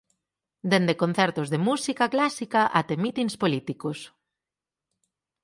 Dende concertos de música clásica até mitins políticos.